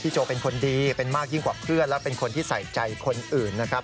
โจเป็นคนดีเป็นมากยิ่งกว่าเพื่อนและเป็นคนที่ใส่ใจคนอื่นนะครับ